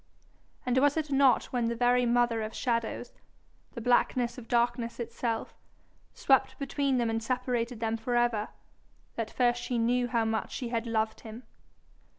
And was it not when the very mother of shadows, the blackness of darkness itself, swept between them and separated them for ever, that first she knew how much she had loved him?